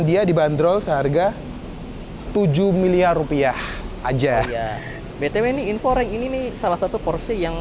dia dibanderol seharga tujuh miliar rupiah aja bete ini informasi ini nih salah satu porsche yang